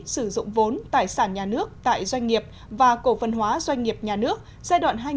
sử dụng vốn tài sản nhà nước tại doanh nghiệp và cổ phân hóa doanh nghiệp nhà nước giai đoạn hai nghìn một mươi sáu hai nghìn hai mươi